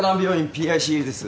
ＰＩＣＵです。